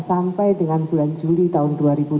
sampai dengan bulan juli tahun dua ribu dua puluh